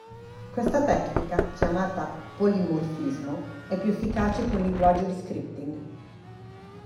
Questa tecnica, chiamata "polimorfismo", è più efficace con linguaggi di scripting.